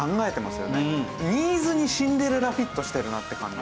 ニーズにシンデレラフィットしてるなって感じが。